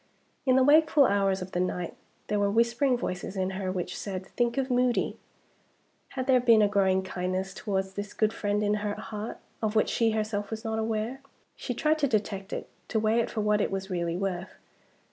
In the wakeful hours of the night there were whispering voices in her which said: "Think of Moody!" Had there been a growing kindness towards this good friend in her heart, of which she herself was not aware? She tried to detect it to weigh it for what it was really worth.